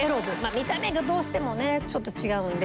見た目がどうしてもねちょっと違うんで。